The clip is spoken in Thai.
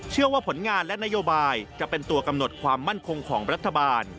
ว่าผลงานและนโยบายจะเป็นตัวกำหนดความมั่นคงของรัฐบาล